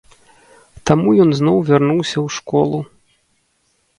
Таму ён зноў вярнуўся ў школу.